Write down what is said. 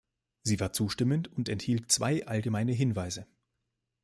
Sie war zustimmend und enthielt zwei allgemeine Hinweise.